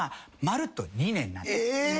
え！？